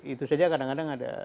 itu saja kadang kadang ada